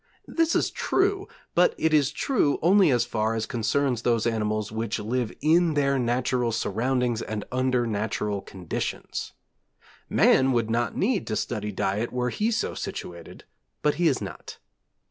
This is true, but it is true only as far as concerns those animals which live in their natural surroundings and under natural conditions. Man would not need to study diet were he so situated, but he is not.